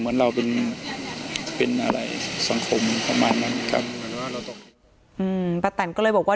เหมือนเราเป็นสังคมประตันก็เลยบอกว่า